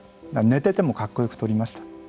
寝ててもかっこよく撮りました。